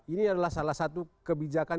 ini adalah salah satu kebijakan